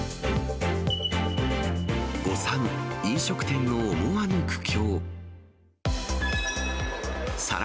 誤算、飲食店の思わぬ苦境。